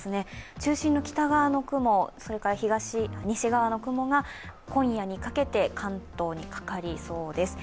中心の北側の雲、西側の雲が今夜にかけて関東にかかりそうです。